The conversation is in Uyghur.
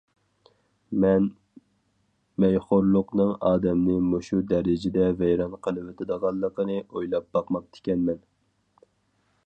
مەن مەيخورلۇقنىڭ ئادەمنى مۇشۇ دەرىجىدە ۋەيران قىلىۋېتىدىغانلىقىنى ئويلاپ باقماپتىكەنمەن.